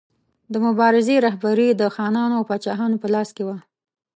د مبارزې رهبري د خانانو او پاچاهانو په لاس کې وه.